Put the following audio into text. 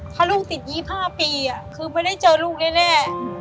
ถ้าลูกติด๒๕ปีคือไม่ได้เจอลูกแน่